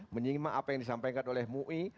menyimak apa yang disampaikan oleh mui